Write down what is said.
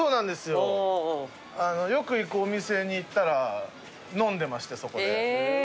よく行くお店に行ったら飲んでましてそこで。